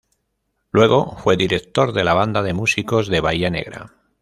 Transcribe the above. Luego fue director de la Banda de Músicos de Bahía Negra.